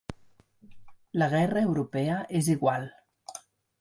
La guerra europea és igual.